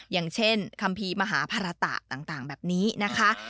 อย่างเช่นคัมภีร์มหาภาระตะต่างแบบนี้นะคะ